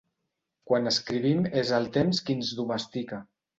Quan escrivim és el temps qui ens domestica.